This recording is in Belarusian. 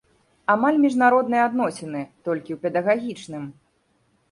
Амаль міжнародныя адносіны, толькі ў педагагічным.